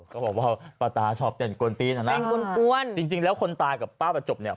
ก็บอกว่าป้าตาชอบเต้นกวนตีนอ่ะนะจริงจริงแล้วคนตายกับป้าประจบเนี่ย